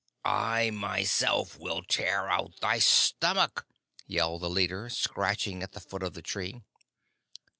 "I myself will tear out thy stomach!" yelled the leader, scratching at the foot of the tree.